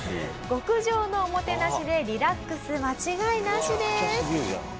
極上のおもてなしでリラックス間違いなしです。